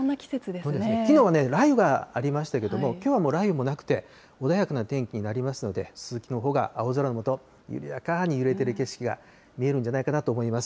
きのうは雷雨がありましたけれども、きょうはもう雷雨もなくて、穏やかな天気になりますので、スキキの穂が青空の下、緩やかに揺れている景色が見えるんじゃないかなと思います。